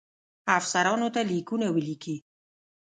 افسرانو ته لیکونه ولیکي.